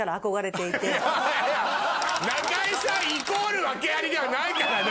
仲居さんイコールわけありではないからね！